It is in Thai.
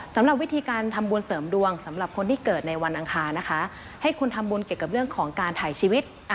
สำหรับวิธีการทำบุญเสริมดวงสำหรับคนที่เกิดในวันอังคารนะคะให้คุณทำบุญเกี่ยวกับเรื่องของการถ่ายชีวิต